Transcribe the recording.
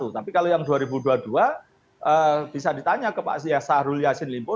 tapi kalau yang dua ribu dua puluh dua bisa ditanya ke pak syahrul yassin limpo